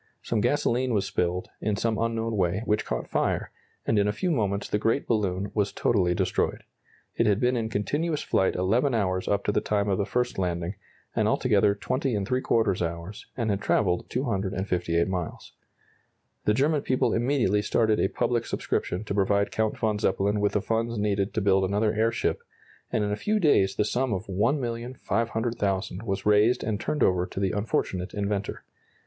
Some gasoline was spilled, in some unknown way, which caught fire, and in a few moments the great balloon was totally destroyed. It had been in continuous flight 11 hours up to the time of the first landing, and altogether 20¾ hours, and had travelled 258 miles. The German people immediately started a public subscription to provide Count von Zeppelin with the funds needed to build another airship, and in a few days the sum of $1,500,000 was raised and turned over to the unfortunate inventor.